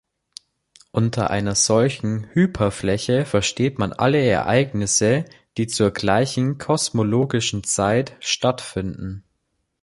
Unter einer solchen Hyperfläche versteht man alle Ereignisse, die zur gleichen kosmologischen Zeit stattfinden.